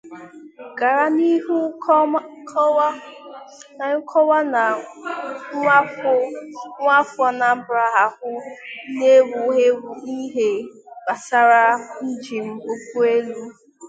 gàrà n'ihu kọwaa na nwaafọ Anambra ahụ ná-ewu èwù n'ihe gbasaara njem ụgbọelu